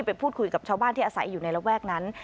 ไปพูดคุยกับชาวบ้านที่อาศัยอยู่ในระแวกนั้น